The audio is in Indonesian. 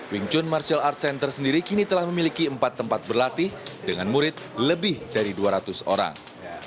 wing chun martial arts center sendiri kini telah memiliki empat tempat berlatih dengan murid lebih dari dua ratus orang